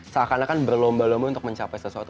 seakan akan berlomba lomba untuk mencapai sesuatu